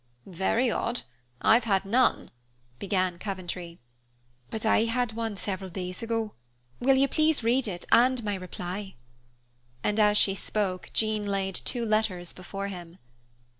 "Very odd! I've had none," began Coventry. "But I had one several days ago. Will you please read it, and my reply?" And as she spoke, Jean laid two letters before him.